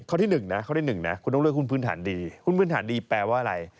ที่๑นะข้อที่๑นะคุณต้องเลือกหุ้นพื้นฐานดีหุ้นพื้นฐานดีแปลว่าอะไร